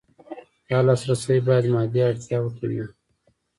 دا لاسرسی باید مادي اړتیاوو ته وي.